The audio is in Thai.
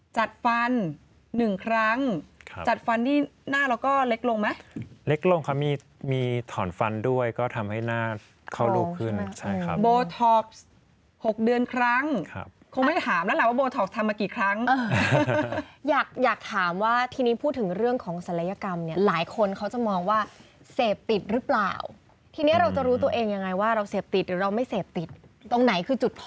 จัดฟันหนึ่งครั้งจัดฟันที่หน้าเราก็เล็กลงไหมเล็กลงค่ะมีมีถอนฟันด้วยก็ทำให้หน้าเข้าลูกขึ้นใช่ครับโบท็อกซ์๖เดือนครั้งคงไม่ถามแล้วล่ะว่าโบท็อกทำมากี่ครั้งอยากอยากถามว่าทีนี้พูดถึงเรื่องของศัลยกรรมเนี่ยหลายคนเขาจะมองว่าเสพติดหรือเปล่าทีเนี้ยเราจะรู้ตัวเองยังไงว่าเราเสพติดหรือเราไม่เสพติดตรงไหนคือจุด